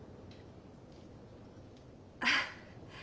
あっ。